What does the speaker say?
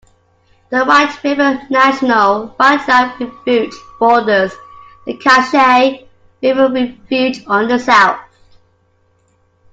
The White River National Wildlife Refuge borders the Cache River Refuge on the south.